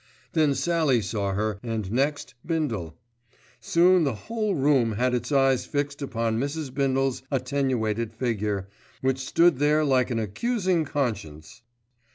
Then Sallie saw her and next Bindle. Soon the whole room had its eyes fixed upon Mrs. Bindle's attenuated figure, which stood there like an accusing conscience.